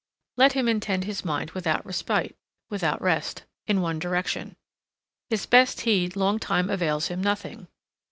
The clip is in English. Let him intend his mind without respite, without rest, in one direction. His best heed long time avails him nothing.